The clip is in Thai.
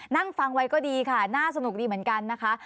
นั่งฟังไว้ก็ดีค่ะน่าสนุกดีเหมือนกันนะคะ